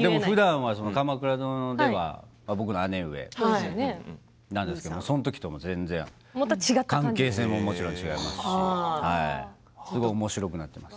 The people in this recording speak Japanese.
でもふだんは「鎌倉殿」では僕の姉上ですからその時とは全然関係性も違いますしすごくおもしろくなっています。